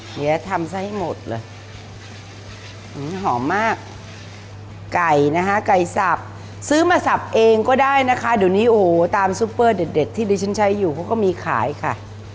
อย่าทำซะให้หมดเลยหอมมากไก่นะคะไก่สับซื้อมาสับเองก็ได้นะคะเดี๋ยวนี้โอ้โหตามซุปเปอร์เด็ดที่ดิฉันใช้อยู่เขาก็มีขายค่ะ